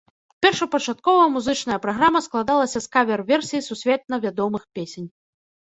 Першапачаткова музычная праграма складалася з кавер-версій сусветна вядомых песень.